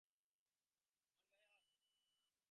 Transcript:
আমার গায়ে হাত!